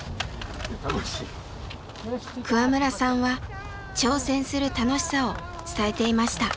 桑村さんは挑戦する楽しさを伝えていました。